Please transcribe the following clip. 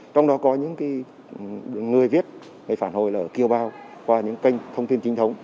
trong đó có những người viết người phản hồi là kiêu bào qua những kênh thông tin trinh thống